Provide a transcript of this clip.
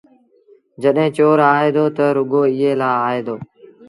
جڏهيݩٚ چور آئي دو تا رڳو ايٚئي لآ آئي دو